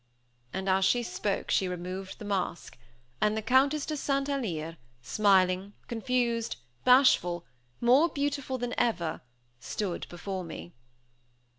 And as she spoke she removed the mask: and the Countess de St. Alyre, smiling, confused, bashful, more beautiful than ever, stood before me!